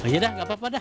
yaudah nggak apa apa dah